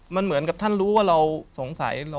มันเหมือนกับท่านรู้ว่าเราสงสัย